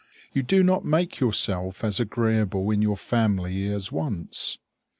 You do not make yourself as agreeable in your family as once.